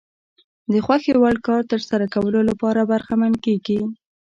د خوښې وړ کار ترسره کولو لپاره برخمن کېږي.